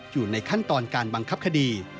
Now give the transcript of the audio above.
อยู่ในขั้นตอนการบังคับคดี